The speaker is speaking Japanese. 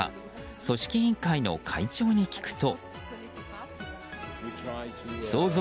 組織委員会の会長に聞くと。